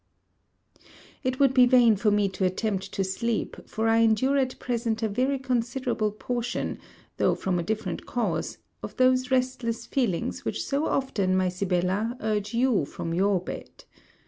It would be vain for me to attempt to sleep, for I endure at present a very considerable portion, though from a different cause, of those restless feelings which so often, my Sibella, urge you from your bed.